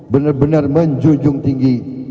benar benar menjunjung tinggi